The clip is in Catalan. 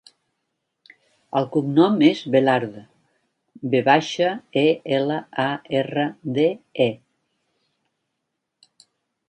El cognom és Velarde: ve baixa, e, ela, a, erra, de, e.